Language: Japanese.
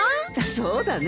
そうだね。